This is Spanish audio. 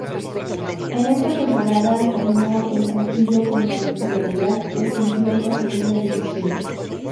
En esta temporada, alternó el banquillo con la titularidad, descendiendo a Segunda División.